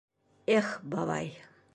Их, бабай!